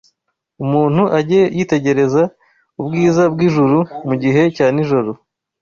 Umuntu ajye yitegereza ubwiza bw’ijuru mu gihe cya nijoro